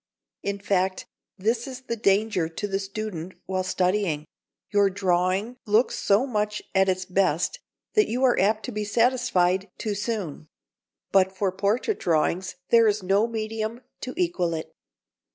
In fact, this is the danger to the student while studying: your drawing looks so much at its best that you are apt to be satisfied too soon. But for portrait drawings there is no medium to equal it.